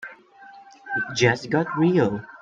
It just got real.